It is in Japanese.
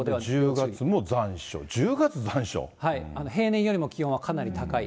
１０月も残暑、平年よりも気温はかなり高い。